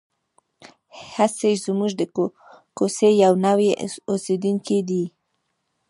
هسې زموږ د کوڅې یو نوی اوسېدونکی دی.